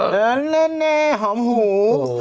แล้วโหมหู